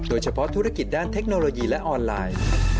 โดยเฉพาะธุรกิจด้านเทคโนโลยีและออนไลน์